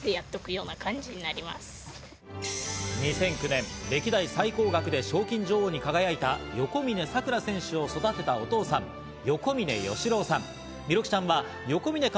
２００９年、歴代最高額で賞金女王に輝いた横峯さくら選手を育てたお父さん・横峯良郎さん。